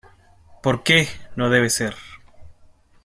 porque no debe ser.